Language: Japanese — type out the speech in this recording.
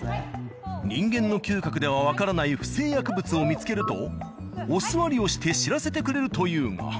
人間の嗅覚ではわからない不正薬物を見つけるとお座りをして知らせてくれるというが。